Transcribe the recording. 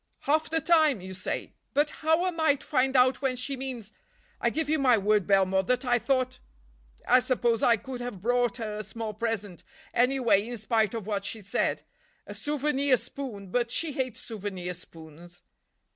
"Half the time, you say. But how am I to find out when she means—I give you my word, Belmore, that I thought—I suppose I could have brought her a small present, anyway, in spite of what she said; a souvenir spoon—but she hates souvenir spoons."